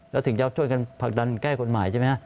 แล้วถึงจะช่วยกันผลักดันแก้กฎหมายใช่ไหมฮะ